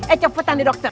eh cepetan deh dokter